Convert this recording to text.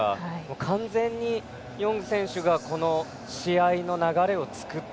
完全に、ヨング選手がこの試合の流れを作った。